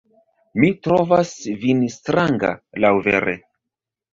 Mi trovas vin stranga, laŭvere!